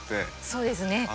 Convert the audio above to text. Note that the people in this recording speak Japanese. そうですね。